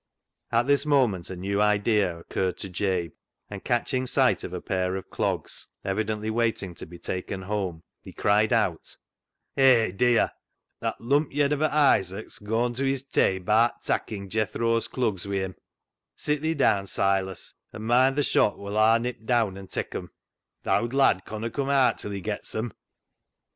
At this moment a new idea occurred to Jabe, and, catching sight of a pair of clogs, evidently waiting to be taken home, he cried out —" Hay, dear ! that lump yed of a Isaac's goan to his tay ba'at takkin' Jethro's clugs wi' him. Sit thi daan, Silas, an' moind th' shop woll Aw nip daan an' tak' em. Th' owd lad conna cum aat till he gets 'em."